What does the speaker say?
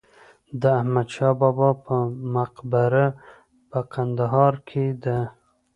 د احمدشاه بابا په مقبره په کندهار کې ده.